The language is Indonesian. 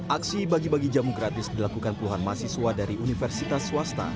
aksi bagi bagi jamu gratis dilakukan puluhan mahasiswa dari universitas swasta